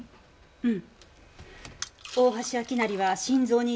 うん。